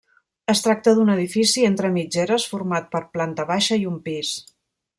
Es tracta d'un edifici entre mitgeres, format per planta baixa i un pis.